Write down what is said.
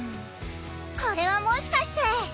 これはもしかして！